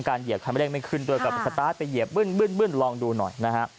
การเหยียบทำไมไม่ได้ขึ้นด้วยกับสตาร์ทไปเหยียบบึ้นลองดูหน่อยนะฮะ